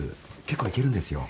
結構いけるんですよ。